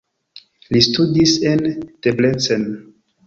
Li studis en Debrecen.